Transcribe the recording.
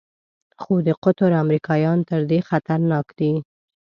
خو د قطر امریکایان تر دې خطرناک دي.